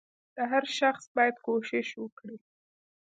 • هر شخص باید کوښښ وکړي.